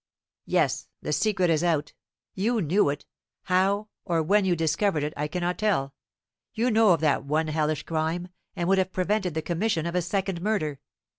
"Yes; the secret is out. You knew it; how or when you discovered it I cannot tell. You knew of that one hellish crime, and would have prevented the commission of a second murder.